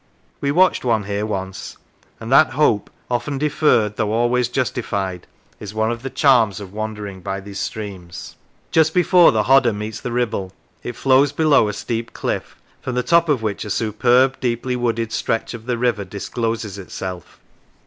We watched one here once; and that hope, often deferred though always justified, is one of the charms of wandering by these streams. Just before the Hodder meets the Ribble, it flows below a steep cliff, from the top of which a superb, deeply wooded stretch of the river discloses itself.